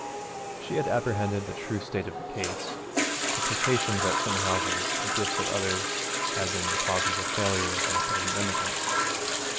She had apprehended the true state of the case. The potations at some houses, the gifts at others, had been the causes of the failure of Mick as an emigrant.